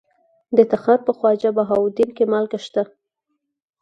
د تخار په خواجه بهاوالدین کې مالګه شته.